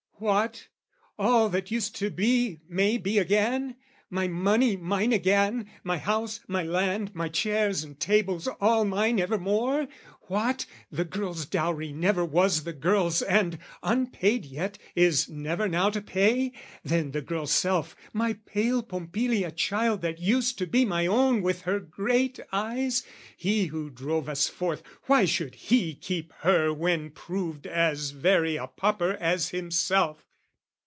"What? All that used to be, may be again? "My money mine again, my house, my land, "My chairs and tables, all mine evermore? "What, the girl's dowry never was the girl's, "And, unpaid yet, is never now to pay? "Then the girl's self, my pale Pompilia child "That used to be my own with her great eyes "He who drove us forth, why should he keep her "When proved as very a pauper as himself?